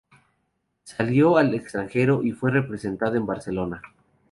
Salió al extranjero y fue representada en Barcelona.